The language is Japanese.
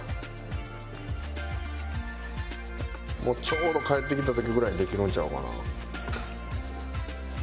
ちょうど帰ってきた時ぐらいにできるんちゃうかな？